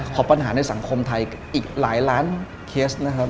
ปัญหาในสังคมไทยอีกหลายล้านเคสนะครับ